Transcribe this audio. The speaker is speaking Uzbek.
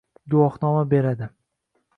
guvohnoma beradi;